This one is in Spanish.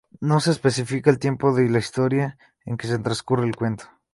No se especifica el tiempo de la Historia en que transcurre el cuento.